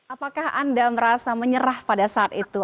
apakah anda merasa menyerah pada saat itu